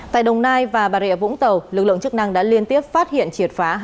tại đồng nai và bà rịa vũng tàu lực lượng chức năng đã liên tiếp phát hiện triệt phá